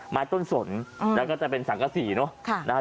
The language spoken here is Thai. ไม้ต้นสนแล้วก็จะเป็นสังกษีเนอะ